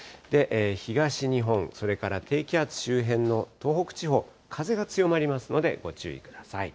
東日本、それから低気圧周辺の東北地方、風が強まりますのでご注意ください。